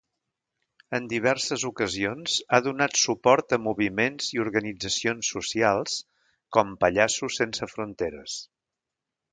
En diverses ocasions ha donat suport a moviments i organitzacions socials com Pallassos sense fronteres.